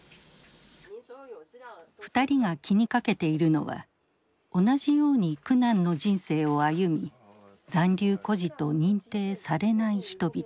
２人が気にかけているのは同じように苦難の人生を歩み残留孤児と認定されない人々。